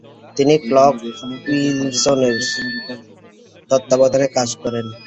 তিনি ক্লার্ক উইসলারের তত্ত্বাবধানে কাজ করেছিলেন।